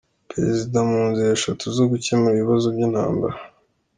Perezida mu nzira eshatu zo gukemura ibibazo by’intambara